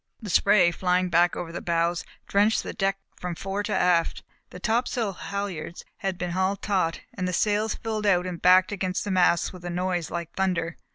The spray, flying back over the bows, drenched the deck from fore to aft. The topsail halyards had been hauled taut, and the sails filled out and backed against the masts with a noise like thunder.